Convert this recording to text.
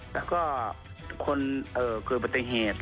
แล้วก็คนเกิดปฏิเหตุ